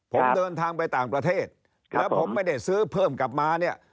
ผมเดินทางไปต่างประเทศแล้วผมไม่ได้ซื้อเพิ่มกลับมาเนี่ย